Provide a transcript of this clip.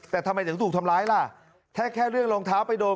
แต่ทำไมถึงถูกทำร้ายล่ะถ้าแค่เรื่องรองเท้าไปโดน